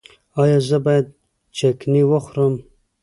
ایا زه باید چکنی وخورم؟